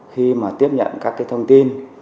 khi mà tiếp nhận các cái thông tin